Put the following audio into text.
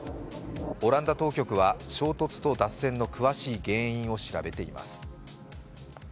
オランダ当局は衝突と脱線の詳しい原因を調べています。